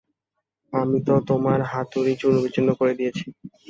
আমি তো তোমার হাতুড়ি চূর্ণ-বিচূর্ণ করে দিয়েছি।